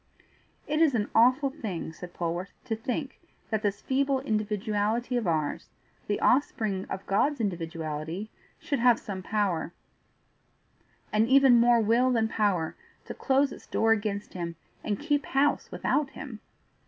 "It is an awful thing," said Polwarth, "to think that this feeble individuality of ours, the offspring of God's individuality, should have some power, and even more will than power, to close its door against him, and keep house without him!"